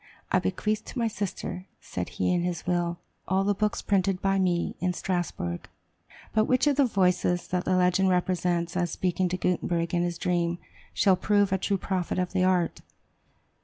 "I bequeath to my sister," said he in his will, "all the books printed by me in Strasbourg." But which of the voices that the legend represents as speaking to Gutenberg in his dream, shall prove a true prophet of the art?